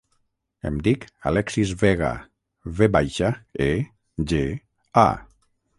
Em dic Alexis Vega: ve baixa, e, ge, a.